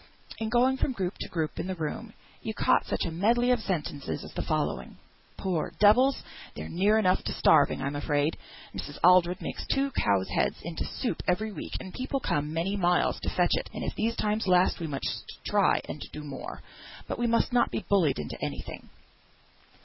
In going from group to group in the room, you caught such a medley of sentences as the following: "Poor devils! they're near enough to starving, I'm afraid. Mrs. Aldred makes two cows' heads into soup every week, and people come several miles to fetch it; and if these times last we must try and do more. But we must not be bullied into any thing!"